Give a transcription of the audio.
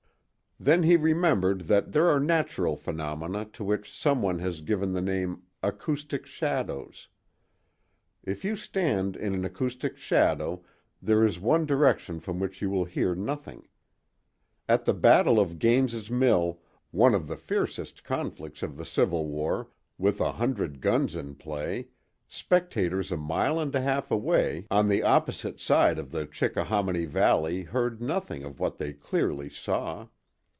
Then he remembered that there are natural phenomena to which some one has given the name "acoustic shadows." If you stand in an acoustic shadow there is one direction from which you will hear nothing. At the battle of Gaines's Mill, one of the fiercest conflicts of the Civil War, with a hundred guns in play, spectators a mile and a half away on the opposite side of the Chickahominy valley heard nothing of what they clearly saw.